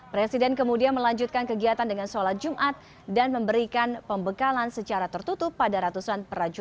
presiden kemudian melanjutkan kegiatan dengan sholat jumat dan memberikan pembekalan secara tertutup pada ratusan perajuan